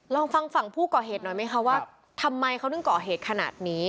ลองฟังฝั่งผู้ก่อเหตุหน่อยไหมคะว่าทำไมเขาถึงก่อเหตุขนาดนี้